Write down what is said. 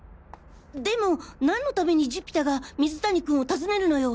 でも何のために寿飛太が水谷君を訪ねるのよ！